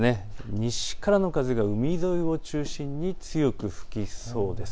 西からの風が海沿いを中心に強く吹きそうです。